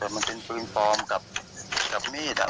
มันเป็นปืนพร้อมกับมีด